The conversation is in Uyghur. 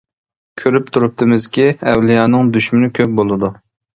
كۆرۈپ تۇرۇپتىمىزكى، ئەۋلىيانىڭ دۈشمىنى كۆپ بولىدۇ.